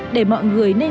để mọi người nên có ý tưởng